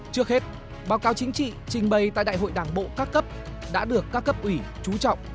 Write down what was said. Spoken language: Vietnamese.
trước hết báo cáo chính trị trình bày tại đại hội đảng bộ các cấp đã được các cấp ủy trú trọng